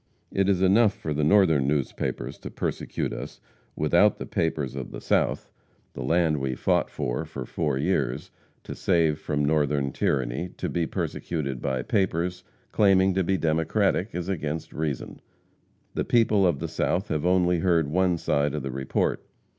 It is enough for the northern papers to persecute us without the papers of the south; the land we fought for for four years, to save from Northern tyranny, to be persecuted by papers claiming to be Democratic, is against reason. The people of the south have only heard one side of the report.